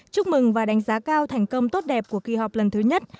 chúc mừng và đánh giá cao thành công tốt đẹp của kỳ họp lần thứ nhất